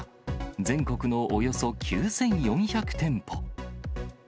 全国のおよそ９４００店舗。